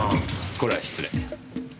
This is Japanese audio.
これは失礼。